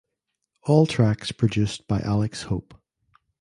All tracks produced by Alex Hope.